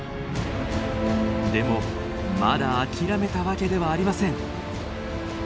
でもまだ諦めたわけではありません。